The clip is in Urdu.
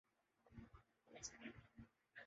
نیک شگون اور سیاسی استحکام کی علامت ہے۔